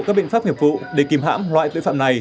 các biện pháp hiệp vụ để kìm hãm loại tội phạm này